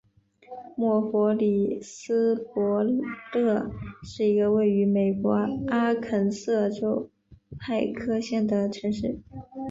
默弗里斯伯勒是一个位于美国阿肯色州派克县的城市。